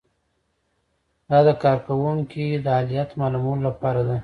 دا د کارکوونکي د اهلیت معلومولو لپاره ده.